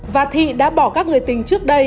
và thị đã bỏ các người tình trước đây